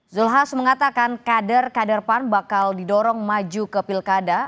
zulkifli hasan mengatakan kader kader pan bakal didorong maju ke pilkada